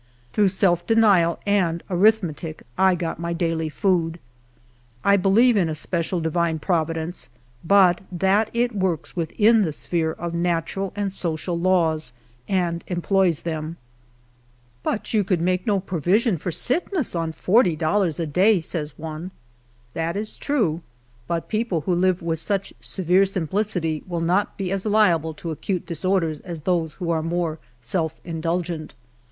Through self de nial and arithmetic I got my daily food. I believe in a special divine Providence, but that it works within the sphere oi natural and social laws, and emph)ys them. " But you could make no provision for sickness on forty dollars a year," says one. That is true, but people who live with such severe simplicity will not be as liable to acute dis orders as those who are more self indulgent.